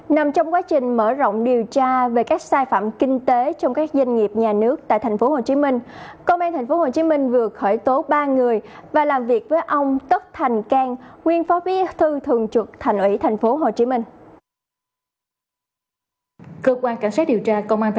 nằm trong quá trình mở rộng điều tra về các sai phạm kinh tế trong các doanh nghiệp nhà nước tại tp hcm